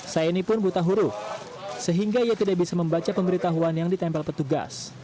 saini pun buta huruf sehingga ia tidak bisa membaca pemberitahuan yang ditempel petugas